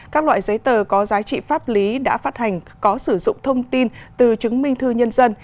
các loại giấy tờ có giá trị pháp lý đã phát hành có sử dụng thông tin từ chứng minh thư nhân dân